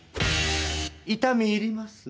痛み入ります。